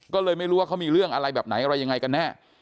ก็เลยไม่รู้ว่าเขามีเรื่องอะไรแบบไหนอะไรยังไงกันแน่